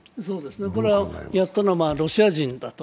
これはやったのはロシア人だと。